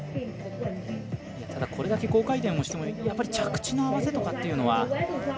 ただ、これだけ高回転をしても着地の合わせとかっていうのは。